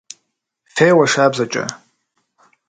Феуэ шабзэкӏэ!